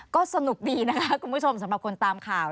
ก็สนุกดีนะคะคุณผู้ชมสำหรับคนตามข่าว